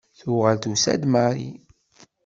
Tuɣal tusa-d Marie.